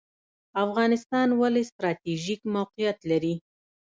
افغانستان ولې ستراتیژیک موقعیت لري؟